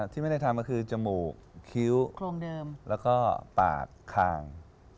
ที่ไม่ได้ทำก็คือจมูกคิ้วโครงเดิมแล้วก็ปากคาง